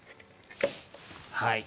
はい。